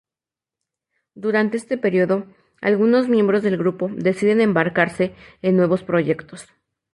Durante este periodo, algunos miembros del grupo deciden embarcarse en nuevos proyectos.